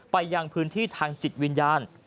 ยังพื้นที่ทางจิตวิญญาณ